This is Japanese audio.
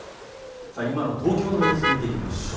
今の東京の様子を見ていきましょう。